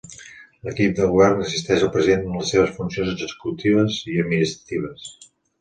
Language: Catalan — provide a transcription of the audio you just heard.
L'Equip de Govern assisteix al president en les seves funcions executives i administratives.